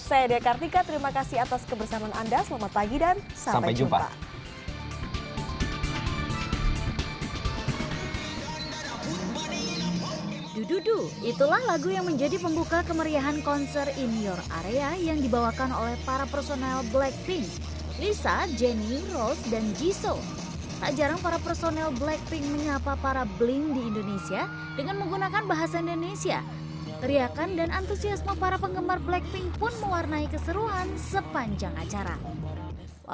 saya dekartika terima kasih atas kebersamaan anda selamat pagi dan sampai jumpa